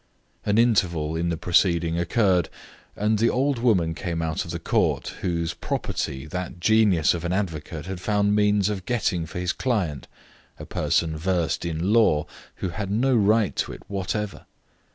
An interval in the proceeding occurred, and the old woman came out of the court, whose property that genius of an advocate had found means of getting for his client, a person versed in law who had no right to it whatever.